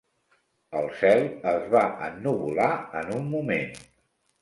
El cel es va ennuvolar en un moment.